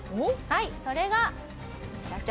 はいそれが。あっ！